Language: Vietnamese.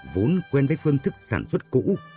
vốn quen với phương thức sản xuất cũ